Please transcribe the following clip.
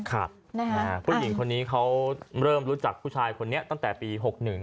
ผู้หญิงคนนี้เขาเริ่มรู้จักผู้ชายคนนี้ตั้งแต่ปี๖๑